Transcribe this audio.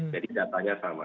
jadi datanya sama